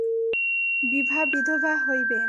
বিভা বিধবা হইবে।